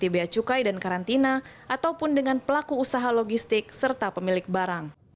dengan perantina ataupun dengan pelaku usaha logistik serta pemilik barang